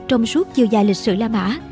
trong suốt chiều dài lịch sử la mã